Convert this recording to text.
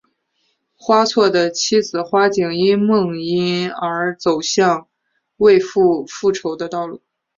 花错的妻子花景因梦因而走向为夫复仇的道路。